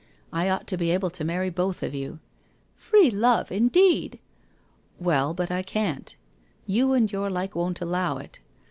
I ought to be able to marry both of you.' ' Free love, indeed !'' Well, but I can't. You and your like won't allow it.